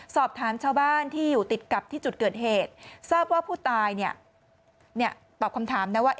สอบถามชาวบ้านที่อยู่ติดกับที่จุดเกิดเหตุทราบว่าผู้ตายตอบคำถามนะว่า